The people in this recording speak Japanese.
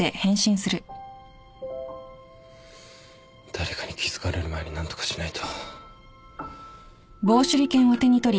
誰かに気付かれる前に何とかしないと。